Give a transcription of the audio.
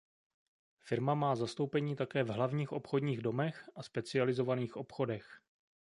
Firma má zastoupení také v hlavních obchodních domech a specializovaných obchodech.